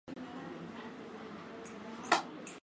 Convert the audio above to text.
kwa maisha ya binadamu na kwa jamii